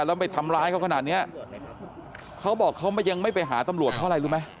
แล้วไปทำร้ายเขาขนาดเนี้ยเขาบอกเขายังไม่ไปหาตำรวจเพราะอะไรรู้ไหม